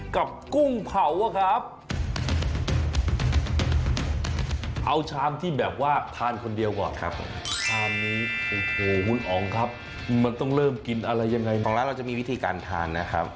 ของร้านเราจะมีวิธีการทานนะครับ